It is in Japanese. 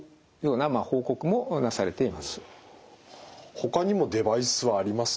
ほかにもデバイスはありますか？